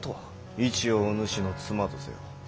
市をお主の妻とせよ。